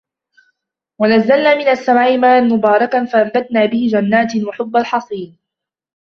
ونزلنا من السماء ماء مباركا فأنبتنا به جنات وحب الحصيد